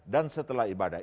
dan setelah ibadah